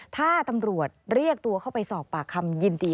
ถ้าตำรวจเรียกตัวเข้าไปสอบปากคำยินดี